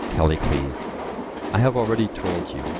CALLICLES: I have already told you.